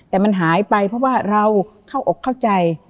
แต่มันหายไปเพราะว่าเราเข้าอกเข้าใจ